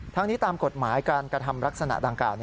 ทั้งนี้ตามกฎหมายการกระทำลักษณะดังกล่าว